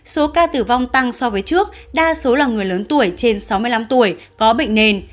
số ca tử vong tăng so với trước đa số là người lớn tuổi trên sáu mươi năm tuổi có bệnh nền